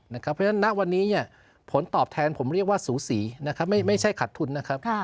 เพราะฉะนั้นณวันนี้ผลตอบแทนผมเรียกว่าสูสีไม่ใช่ขัดทุนนะครับ